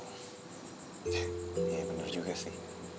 iya bener juga sih